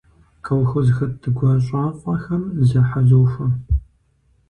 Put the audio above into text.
Колхозхэт гуащӀафӀэхэр зохьэзохуэ.